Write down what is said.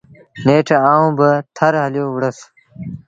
نيٺ آئوٚݩ با ٿر هليو وُهڙس۔